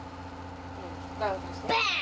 バン！